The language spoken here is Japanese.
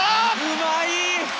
うまい！